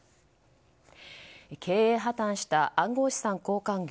経営破綻した暗号資産交換業